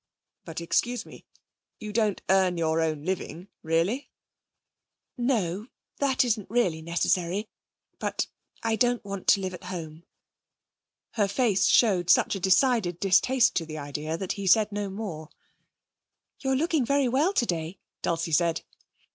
'But, excuse me you don't earn your own living really?' 'No, that isn't really necessary. But I don't want to live at home.' Her face showed such a decided distaste to the idea that he said no more. 'You're looking very well today,' Dulcie said.